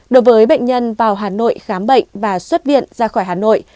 đối với bệnh nhân vào hà nội khám bệnh và xuất viện ra khỏi hà nội